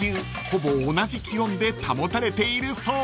ほぼ同じ気温で保たれているそう］